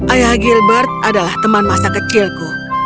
ayah gilbert adalah teman masa kecilku